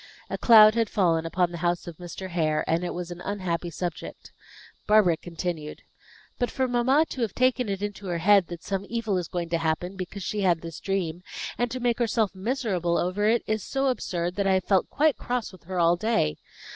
A cloud had fallen upon the house of Mr. Hare, and it was an unhappy subject. Barbara continued, "But for mamma to have taken it into her head that 'some evil is going to happen,' because she had this dream, and to make herself miserable over it, is so absurd, that I have felt quite cross with her all day.